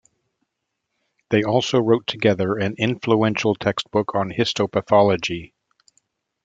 They also wrote together an influential textbook on histopathology.